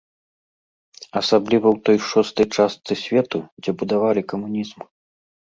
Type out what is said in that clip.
Асабліва ў той шостай часты свету, дзе будавалі камунізм.